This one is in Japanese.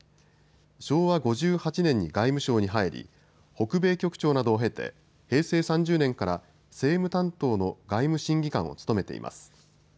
昭和５８年に外務省に入り北米局長などを経て、平成３０年から政務担当の外務審議官を務めています。